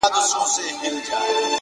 بل څوک خو بې خوښ سوی نه وي!